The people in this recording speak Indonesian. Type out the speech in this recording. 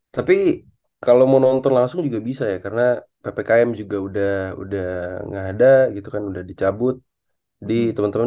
tapi kalau mau nonton langsung juga bisa ya karena ppkm juga udah udah gak ada gitu kan udah dicabut di teman teman